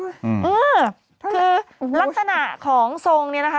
คือลักษณะของทรงเนี่ยนะคะ